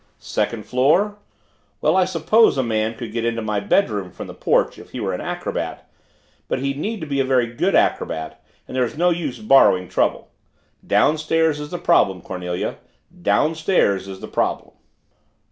Second floor well, I suppose a man could get into my bedroom from the porch if he were an acrobat, but he'd need to be a very good acrobat and there's no use borrowing trouble. Downstairs is the problem, Cornelia, downstairs is the problem.